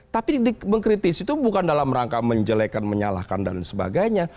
tapi mengkritisi itu bukan dalam rangka menjelekan menyalahkan dan sebagainya